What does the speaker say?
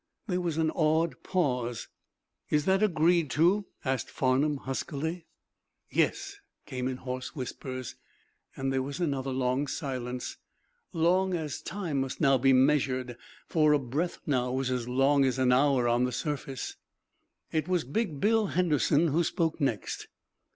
There was an awed pause. "Is that agreed to?" asked Farnum, huskily. "Yes," came in hoarse whispers. There was another long silence long as time must now be measured, for a breath, now, was as long as an hour on the surface. It was big Bill Henderson who spoke next.